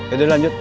ya udah lanjut